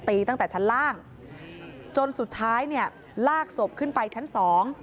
ตั้งแต่ชั้นล่างจนสุดท้ายเนี่ยลากศพขึ้นไปชั้นสอง